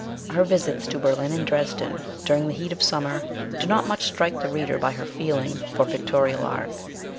Her visits to Berlin and Dresden, during the heat of summer, do not much strike the reader by her feeling for pictorial art.